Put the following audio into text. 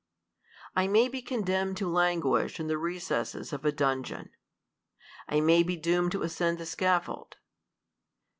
I may be condemned to languish in the recesses of a dungeon. I may be doomed to ascend the scaf fold.